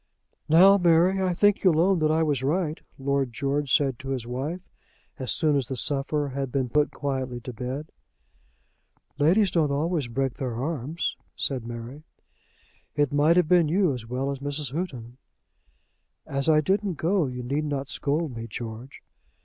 "Now, Mary, I think you'll own that I was right," Lord George said to his wife, as soon as the sufferer had been put quietly to bed. "Ladies don't always break their arms," said Mary. "It might have been you as well as Mrs. Houghton." "As I didn't go, you need not scold me, George."